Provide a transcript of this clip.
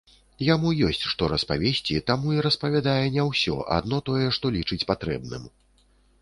Яму ёсць, што распавесці, таму і распавядае не ўсё, адно тое, што лічыць патрэбным.